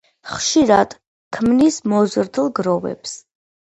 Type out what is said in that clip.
ხშირად ქმნის მოზრდილ გროვებს.